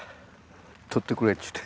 撮ってくれっつって。